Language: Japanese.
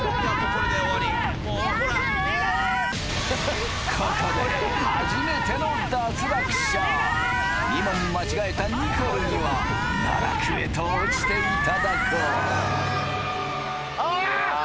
ここで初めての脱落者２問間違えたにこるんは奈落へと落ちていただこうああ！